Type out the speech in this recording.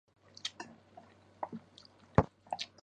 它们击沉了两艘护航驱逐舰以及船队十二艘中的九艘。